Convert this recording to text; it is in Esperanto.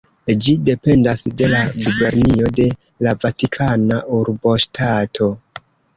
Ĝi dependas de la gubernio de la Vatikana Urboŝtato.